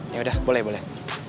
ya udah boleh boleh